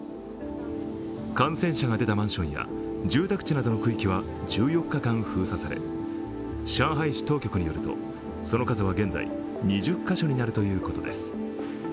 感染者が出たマンションや住宅地などの区域は１４日間封鎖され、上海市当局によると、その数は現在２０カ所になるということです。